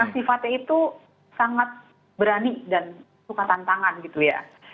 sifatnya itu sangat berani dan suka tantangan gitu ya